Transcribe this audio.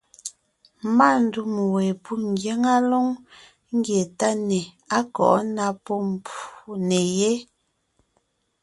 Má ndûm we pû ngyáŋa lóŋ ńgie táne á kɔ̌ ná pó nè yé.